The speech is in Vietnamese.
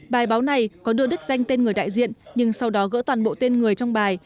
bài báo này có đưa đích danh tên người đại diện nhưng sau đó gỡ toàn bộ tên người trong bài